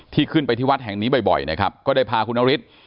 ขึ้นไปที่วัดแห่งนี้บ่อยนะครับก็ได้พาคุณนฤทธิ์